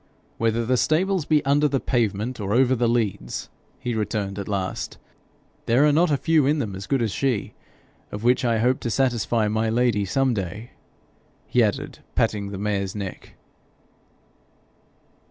'Whether the stables be under the pavement or over the leads,' he returned at last, 'there are not a few in them as good as she of which I hope to satisfy my Lady some day,' he added, patting the mare's neck.